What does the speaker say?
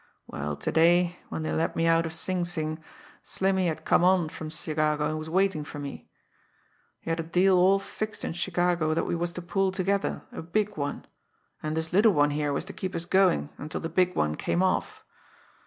Well, to day, when they let me out of Sing Sing, Slimmy had come on from Chicago and was waitin' for me. He had a deal all fixed in Chicago that we was to pull together, a big one, and this little one here was to keep us goin' until the big one came off.